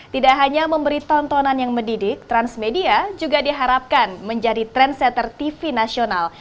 tidak hanya memberi tontonan yang mendidik transmedia juga diharapkan menjadi trendsetter tv nasional